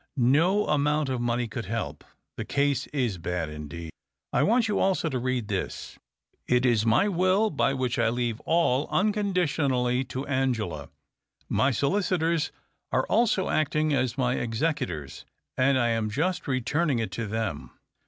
" No amount of money could help. The case is bad indeed. I want you also to read this. It is my will — by which I leave all un conditionally to iVngela. My solicitors arc also acting as my executors, and I am just returning it to them."